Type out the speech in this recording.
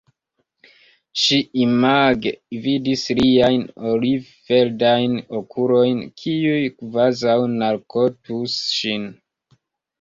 Ŝi image vidis liajn olivverdajn okulojn, kiuj kvazaŭ narkotus ŝin.